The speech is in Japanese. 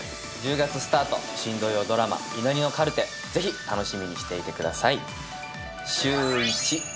１０月スタート、新土曜ドラマ、祈りのカルテ、ぜひ楽しみにしていてください。